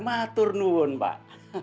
makasih maturnuhun pak